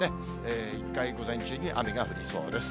一回、午前中に雨が降りそうです。